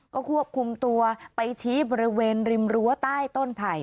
ก็ควบคุมตัวไปชี้บริเวณริมรั้วใต้ต้นไผ่